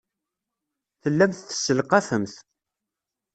Tellamt tesselqafemt.